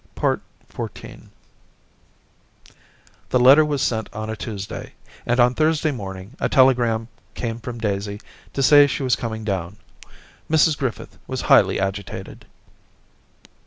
XIV The letter was sent on a Tuesday, and on Thursday morning a telegram came from Daisy to say she was coming down. Mrs Griffith was highly agitated.